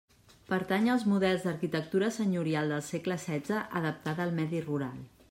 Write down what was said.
Pertany als models d'arquitectura senyorial del segle setze adaptada al medi rural.